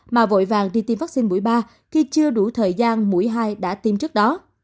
mà vội vàng đi tiêm vaccine mũi ba khi chưa đủ thời gian mũi hai đã tiêm trước đó